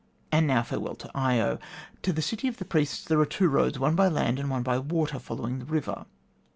And now farewell to Io. To the City of the Priests there are two roads: one by land; and one by water, following the river.